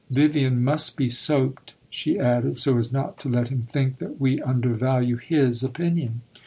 "Vivian must be soaped," she added, "so as not to let him think that we undervalue his opinion."